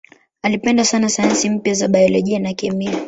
Alipenda sana sayansi mpya za biolojia na kemia.